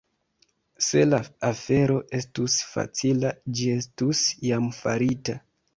Se la afero estus facila, ĝi estus jam farita.